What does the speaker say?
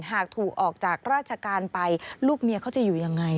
หากถูกออกจากราชการไปลูกเมียเขาจะอยู่ยังไง